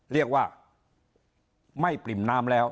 เรียกว่าไม่ปริ่มน้ำแล้ว